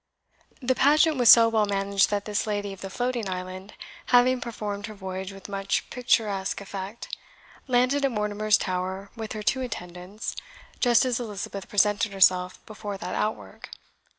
The pageant was so well managed that this Lady of the Floating Island, having performed her voyage with much picturesque effect, landed at Mortimer's Tower with her two attendants just as Elizabeth presented herself before that outwork.